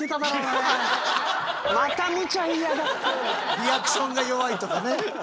リアクションが弱いとかね。